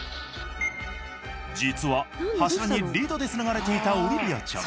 実は柱にリードで繋がれていたオリビアちゃん。